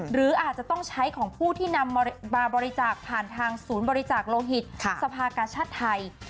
หรืออาจจะต้องใช้ของผู้ที่นำมาบริจาคผ่านทางศูนย์บริจาคโลหิตสภากาชาติไทย